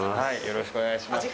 よろしくお願いします